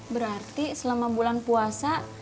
berarti selama bulan puasa